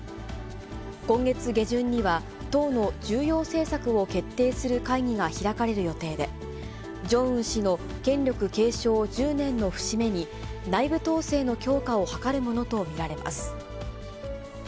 今月下旬には、党の重要政策を決定する会議が開かれる予定で、ジョンウン氏の権力継承１０年の節目に、内部統制の強化を図るものと見られます。